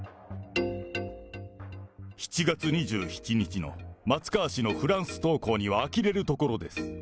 ７月２７日の松川氏のフランス投稿にはあきれるところです。